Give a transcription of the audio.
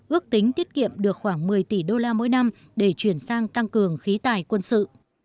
ước tính tiết kiệm được khoảng một mươi tỷ đô la mỗi năm để chuyển sang tăng cường khí tài quân sự